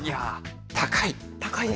高い。